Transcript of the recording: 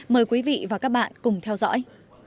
mời quý vị và các bạn cùng theo dõi